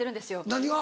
何が？